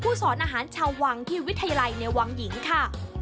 สอนอาหารชาววังที่วิทยาลัยในวังหญิงค่ะ